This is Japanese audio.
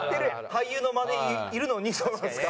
俳優の間でいるのにそうなんですか？